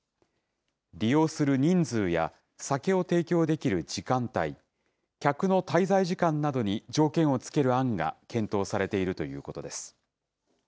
利用する人数や、酒を提供できる時間帯、客の滞在時間などに条件を付ける案が検討されているということです。